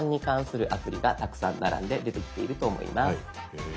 へえ。